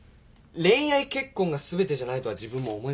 恋愛結婚が全てじゃないとは自分も思います。